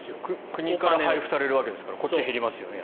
国から配布されるわけですからこっちは減りますよね。